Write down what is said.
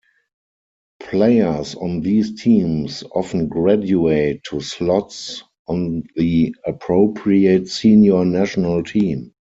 Players on these teams often "graduate" to slots on the appropriate senior national team.